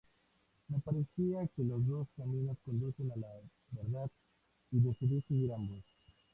Me parecía que los dos caminos conducen a la verdad, y decidí seguir ambos.